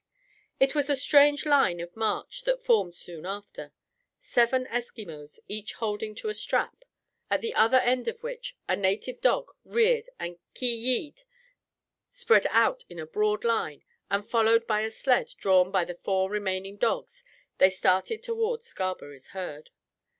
It was a strange line of march that formed soon after. Seven Eskimos, each holding to a strap, at the other end of which a native dog reared and ki yi'ed, spread out in a broad line, and followed by a sled drawn by the four remaining dogs, they started toward Scarberry's herd.